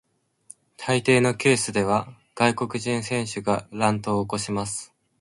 大抵のケースでは外国人選手が乱闘を起こします。